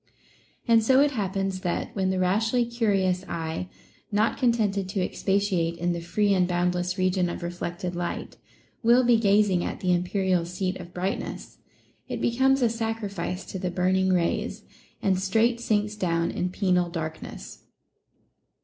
And so it happens that, when the rashly curious eye, not contented to expatiate in the free and boundless region of reflected light, will be gazing at the imperial seat of brightness, it becomes a sacrifice to the burning rays, and straight sinks down in penal darkness.